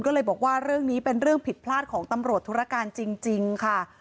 ก็เลยบอกว่าเรื่องนี้เป็นเรื่องผิดพลาดของตำรวจธุรการจริงค่ะ